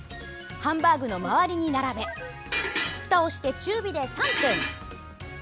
ハンバーグの周りに並べふたをして中火で３分。